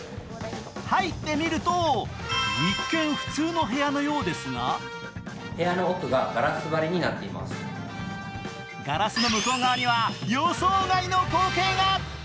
入ってみると一見、普通の部屋のようですがガラスの向こう側には予想外の光景が。